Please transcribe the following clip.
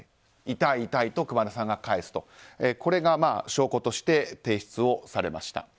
痛い、痛いと熊田さんが返すとこれが証拠として提出されました。